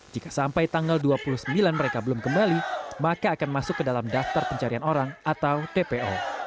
jika sampai tanggal dua puluh sembilan mereka belum kembali maka akan masuk ke dalam daftar pencarian orang atau tpu